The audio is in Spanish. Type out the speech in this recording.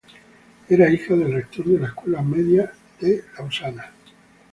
Era hijo del rector de la escuela media en Lausana.